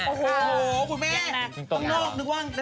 โอ้โหคุณแม่ต้องนอกนึกว่าเทศกาล